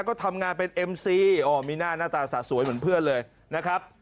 ก็ทำงานเป็นเอ็มซีอ๋อมีหน้าหน้าตาสะสวยเหมือนเพื่อนเลยนะครับ